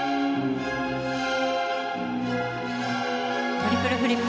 トリプルフリップ。